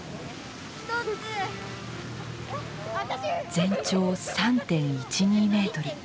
全長３．１２メートル。